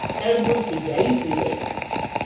Taɨbisilla isirede